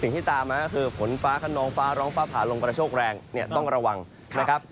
สิ่งที่ตามมาก็คือฝนฟ้าขนองฟ้าร้องฟ้าผ่าลมกระโชคแรงเนี่ยต้องระวังนะครับ